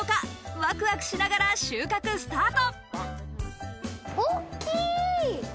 ワクワクしながら収穫スタート！